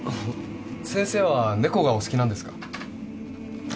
先生はネコがお好きなんですか？